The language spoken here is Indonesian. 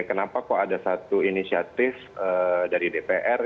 kenapa kok ada satu inisiatif dari dpr